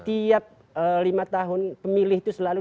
terima kasih sekali selalu